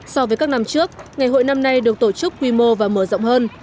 so với các năm trước ngày hội năm nay được tổ chức quy mô và mở rộng hơn